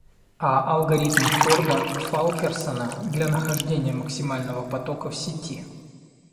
А алгоритм Форда-Фалкерсона для нахождения максимального потока в сети.